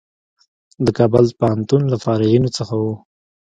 د کابل پوهنتون له فارغینو څخه و.